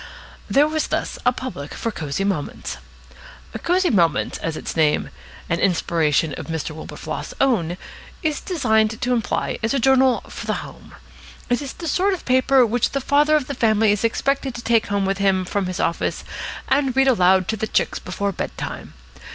There was thus a public for Cosy Moments. Cosy Moments, as its name (an inspiration of Mr. Wilberfloss's own) is designed to imply, is a journal for the home. It is the sort of paper which the father of the family is expected to take home with him from his office and read aloud to the chicks before bed time.